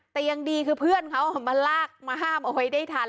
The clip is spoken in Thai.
แต่ยังดีคือเพื่อนเขามาลากมาห้ามเอาไว้ได้ทัน